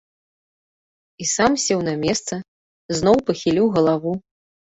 І сам сеў на месца, зноў пахіліў галаву.